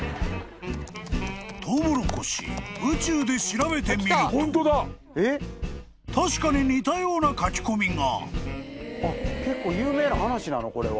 ［「とうもろこし」「宇宙」で調べてみると確かに似たような書き込みが］